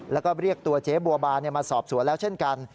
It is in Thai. แล้วก็เรียกตัวเจ๊บัวบานมาสอบสวนแล้วเช่นกัน